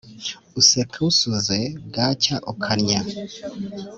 Useka usuze bwacya ukannya.